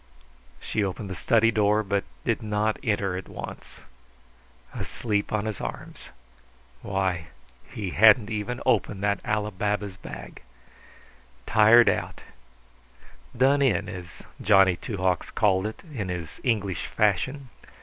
She opened the study door, but did not enter at once. Asleep on his arms. Why, he hadn't even opened that Ali Baba's bag! Tired out done in, as Johnny Two Hawks called it in his English fashion.